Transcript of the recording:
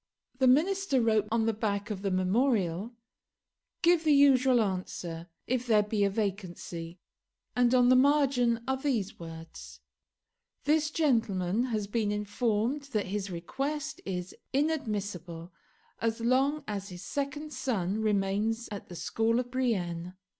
The Minister wrote on the back of the memorial, "Give the usual answer, if there be a vacancy;" and on the margin are these words "This gentleman has been informed that his request is inadmissible as long as his second son remains at the school of Brienne.